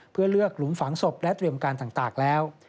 เพื่อเลือกหลุมฝังศพและเตรียมการต่างแล้ว